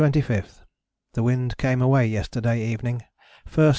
_ The wind came away yesterday evening, first S.